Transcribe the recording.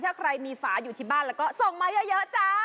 ถ้าใครมีฝาอยู่ที่บ้านแล้วก็ส่งมาเยอะจ้า